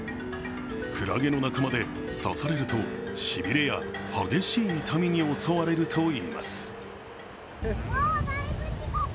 クラゲの仲間で、刺されるとしびれや激しい痛みに襲われるといいます。